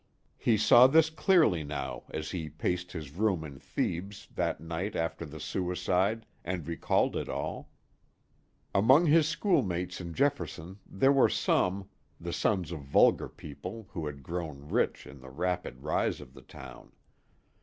He saw this clearly now as he paced his room in Thebes that night after the suicide, and recalled it all. Among his schoolmates in Jefferson there were some, the sons of vulgar people who had grown rich in the rapid rise of the town.